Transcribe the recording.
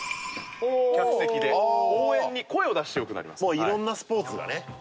もう色んなスポーツがね